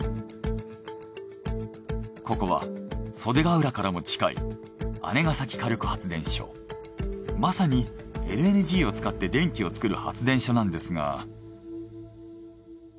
ここは袖ケ浦からも近いまさにＬＮＧを使って電気を作る発電所なんですが。